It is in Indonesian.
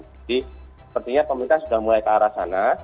jadi sepertinya pemerintah sudah mulai ke arah sana